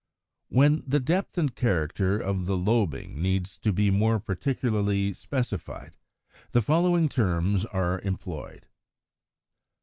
140. When the depth and character of the lobing needs to be more particularly specified, the following terms are employed, viz.